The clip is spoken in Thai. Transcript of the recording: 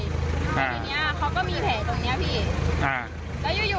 ทีนี้เขาก็มีแผลตรงนี้พี่